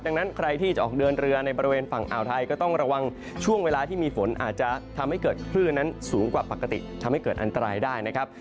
ดังนั้นใครที่จะออกเดินเรือในบริเวณฝั่งอ่าวไทยก็ต้องระวังช่วงเวลาที่มีฝนอาจจะทำให้เกิดคลื่นนั้นสูงกว่าปกติทำให้เกิดอันตรายได้นะครับ